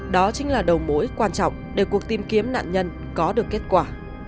đó chính là đầu mối quan trọng để cuộc tìm kiếm nạn nhân có được kết quả